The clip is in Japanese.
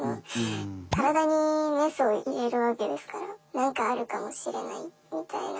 体にメスを入れるわけですから何かあるかもしれないみたいな。